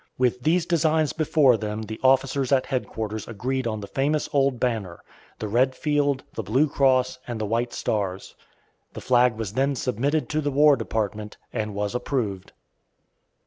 With these designs before them the officers at headquarters agreed on the famous old banner, the red field, the blue cross, and the white stars. The flag was then submitted to the War Department, and was approved.